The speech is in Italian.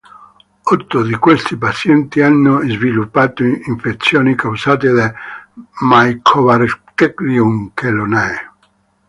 Otto di questi pazienti hanno sviluppato infezioni causate da "Mycobacterium chelonae".